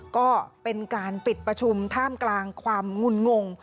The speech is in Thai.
ก็เป็นการปิดประชุมท่ามกลางความงุ่นงง